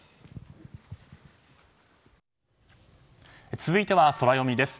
続いてはソラよみです。